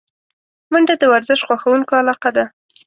منډه د ورزش خوښونکو علاقه ده